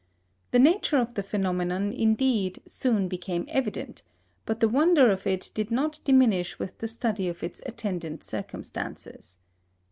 The nature of the phenomenon, indeed, soon became evident, but the wonder of it did not diminish with the study of its attendant circumstances.